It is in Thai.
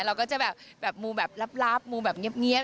เราก็จะแบบมูแบบลับมูแบบเงียบ